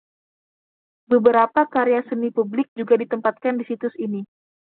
Beberapa karya seni publik juga ditempatkan di situs ini.